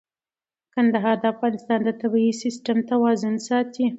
کندهار د افغانستان د طبعي سیسټم توازن ساتي.